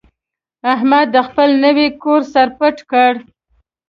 احمد د خپل نوي کور سر پټ کړ.